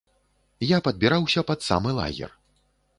Я падбіраўся пад самы лагер.